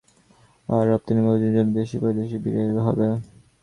আর রপ্তানি বহুমুখীকরণের জন্য দেশে বৈদেশিক বিনিয়োগ বাড়াতে হবে।